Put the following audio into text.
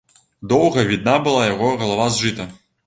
Доўга відна была яго галава з жыта.